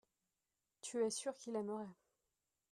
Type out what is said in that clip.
tu es sûr qu'il aimerait.